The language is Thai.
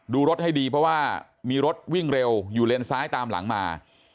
ดูรถให้ดีเพราะว่ามีรถวิ่งเร็วอยู่เลนซ้ายตามหลังมา